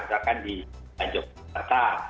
misalkan di jogja